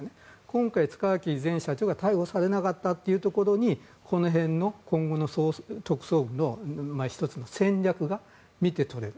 今回、塚脇前社長が逮捕されなかったというところにこの辺に今後の特捜部の１つの戦略が見て取れる。